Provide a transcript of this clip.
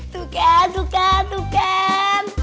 tuh kan tuh kan tuh kan